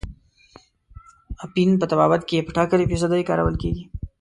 اپین په طبابت کې په ټاکلې فیصدۍ کارول کیږي.